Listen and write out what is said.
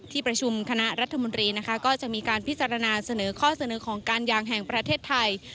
ที่ประชุมคณะรัฐมนตรีนะคะก็จะมีการพิจารณาเสนอข้อเสนอของการยางแห่งประเทศไทย